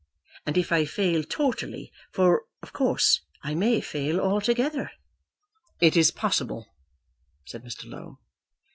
And if I fail totally, for, of course, I may fail altogether " "It is possible," said Mr. Low.